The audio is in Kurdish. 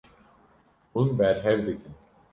Hûn berhev dikin.